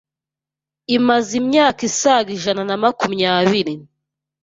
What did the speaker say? imaze imyaka isaga ijana na makumyabiri